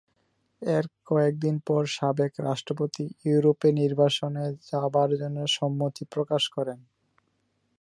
এর কয়েকদিন পর সাবেক রাষ্ট্রপতি ইউরোপে নির্বাসনে যাবার জন্য সম্মতি প্রকাশ করেন।